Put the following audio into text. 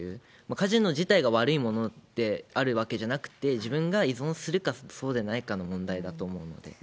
カジノ自体が悪いものであるわけじゃなくて、自分が依存するか、そうでないかの問題だと思うので。